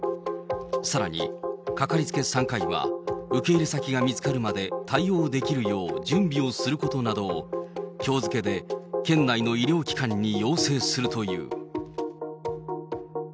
さらに、掛かりつけ産科医は受け入れ先が見つかるまで対応できるよう、準備をすることなどを、きょう付けで県内の医療機関に要請するという。